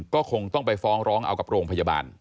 ก็คงต้องไปฟ้องร้องเอากับโรงพยาบาล